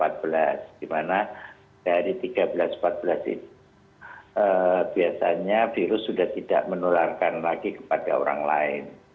di mana dari tiga belas empat belas itu biasanya virus sudah tidak menularkan lagi kepada orang lain